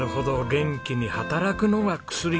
元気に働くのが薬。